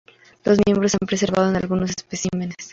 Los miembros se han preservado en algunos especímenes.